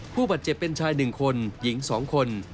ผู้บาดเจ็บเป็นชาย๑คนหญิง๒คน